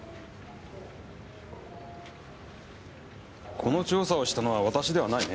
この調査をしたのは私ではないね。